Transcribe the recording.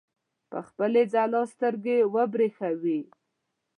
په خپلې ځلا سترګې وبرېښوي.